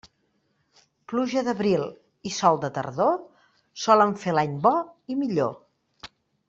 Pluja d'abril i sol de tardor, solen fer l'any bo i millor.